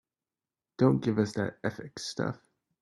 Don't give us that ethics stuff.